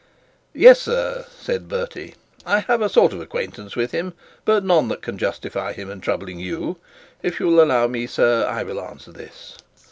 'Yes, sir,' said Bertie. 'I have a sort of acquaintance with him, but none that can justify him in troubling you. If you will allow me, sir, I will answer this.'